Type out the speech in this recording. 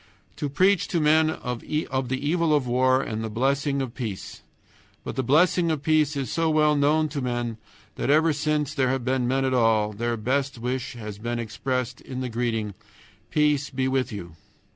To preach to men of the evil of war and the blessing of peace! But the blessing of peace is so well known to men that, ever since there have been men at all, their best wish has been expressed in the greeting, "Peace be with you."